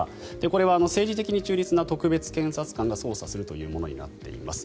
これは政治的に中立な特別検察官が捜査するというものになっています。